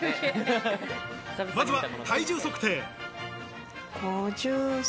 まずは体重測定。